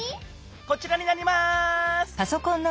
こちらになります！